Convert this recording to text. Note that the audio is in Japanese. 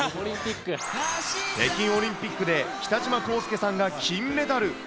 北京オリンピックで北島康介さんが金メダル。